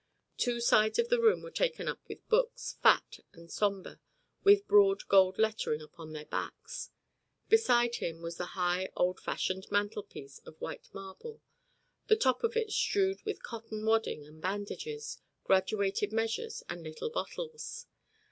Two sides of the room were taken up with books, fat and sombre, with broad gold lettering upon their backs. Beside him was the high, old fashioned mantelpiece of white marble the top of it strewed with cotton wadding and bandages, graduated measures, and little bottles.